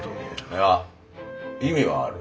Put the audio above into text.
いや意味はある。